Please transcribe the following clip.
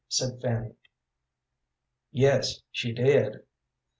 said Fanny. "Yes, she did.